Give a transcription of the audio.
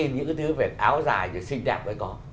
những cái thứ về áo dài và xinh đẹp mới có